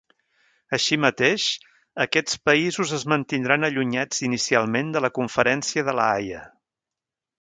Així mateix, aquests països es mantindran allunyats inicialment de la Conferència de la Haia.